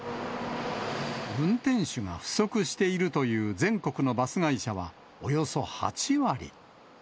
運転手が不足しているという全国のバス会社はおよそ８割。